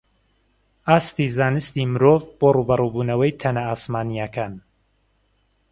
ئاستی زانستی مرۆڤ بۆ ڕووبەڕووبوونەوەی تەنە ئاسمانییەکان